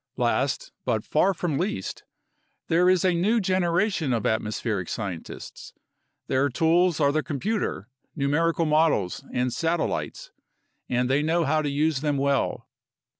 Last, but far from least, there is a new generation of atmospheric sci entists. Their tools are the computer, numerical models, and satellites, and they know how to use them well.